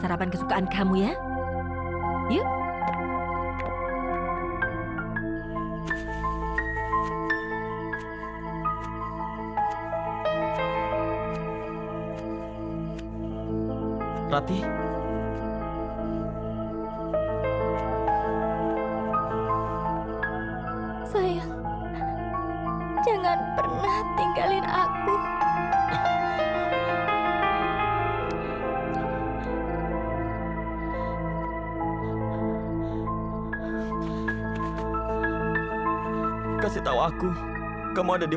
apa yang terjadi